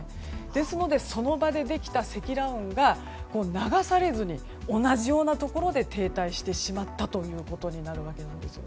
ですのでその場でできた積乱雲が流されずに同じようなところで停滞してしまったということになるわけなんです。